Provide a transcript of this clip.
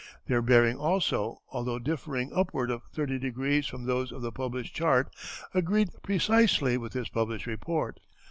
Their bearing also, although differing upward of thirty degrees from those of the published chart, agreed precisely with his published report."